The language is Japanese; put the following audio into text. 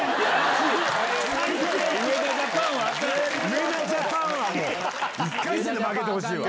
上田ジャパンは１回戦で負けてほしいわ。